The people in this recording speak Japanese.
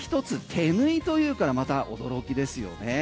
手縫いというからまた驚きですよね。